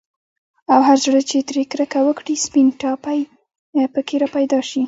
او هر زړه چي ترې كركه وكړي، سپين ټاپى په كي راپيدا شي